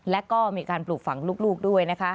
และก็มีการปลูกฝังลูกด้วยนะคะ